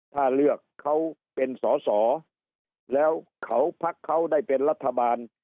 ถ้าเลือกเขาเป็นสอสอแล้วเขาพักเขาได้เป็นรัฐบาล